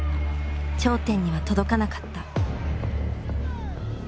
頂点には届かなかった。